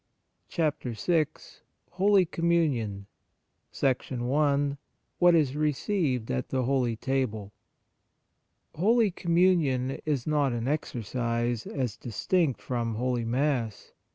CHAPTER VI HOLY COMMUNION What is received at the Holy Table HOLY COMMUNION is not an exercise, as distinct from Holy Mass.